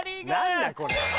何だこれ。